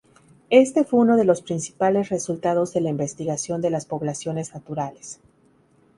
Este fue uno de los principales resultados de la investigación de las poblaciones naturales.